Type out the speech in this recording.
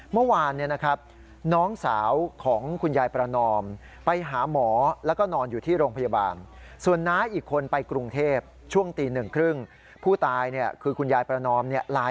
เมื่อวานน้องสาวของคุณยายประนอม